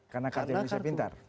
karena kartu indonesia pintar